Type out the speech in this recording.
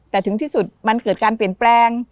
แต่ถึงที่สุดมันเกิดการเปลี่ยนแปลง